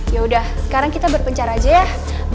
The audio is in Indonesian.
yaudah sekarang kita berpencar aja ya